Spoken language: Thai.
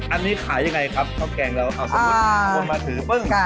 อันนี้ขายยังไงครับข้าวแกงเราเอาสมมุติคนมาถือปึ้ง